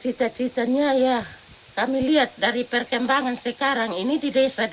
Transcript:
cita citanya ya kami lihat dari perkembangan sekarang ini di desa desa